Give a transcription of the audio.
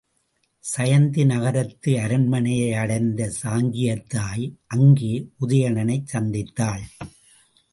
சயந்தி நகரத்து அரண்மனையை அடைந்த சாங்கியத் தாய் அங்கே உதயணனைச் சந்தித்தாள்.